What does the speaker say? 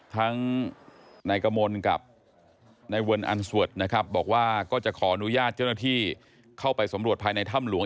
ทั้งวันนี่กับวันนี้บอกว่าก็จะขอนุญาตเจ้าหน้าที่เข้าไปสมรวจภายในท่ำหลวง